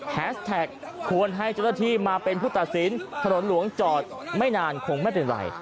แฮสแท็กควรให้เจ้าหน้าที่มาเป็นผู้ตัดสินถนนหลวงจอดไม่นานคงไม่เป็นไร